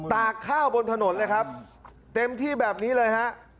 ตากข้าวบนถนนเลยครับเต็มที่แบบนี้เลยฮะ